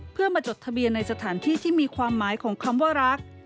เพื่อมาจดทะเบียนในสถานที่ที่มีความหมายของคำว่ารัก